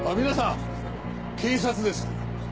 皆さん警察です。